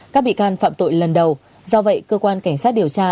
các bị can phạm tội lần đầu do vậy cơ quan cảnh sát điều tra